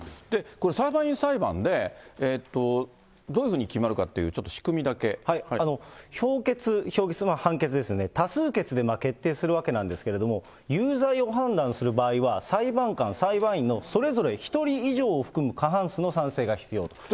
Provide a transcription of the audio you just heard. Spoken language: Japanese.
これ、裁判員裁判で、どういうふうに決まるかっていうちょっ評決、まあ、判決ですよね、多数決で決定するわけなんですけれども、有罪を判断する場合は、裁判官、裁判員のそれぞれ１人以上を含む過半数の賛成が必要と。